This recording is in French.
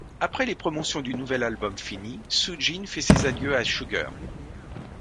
Après les promotions du nouvel album finies, Soo Jin fait ses adieux à Sugar.